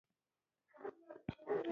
چې څېړنو ته منتظر شم، که د خلاصون یوه لار.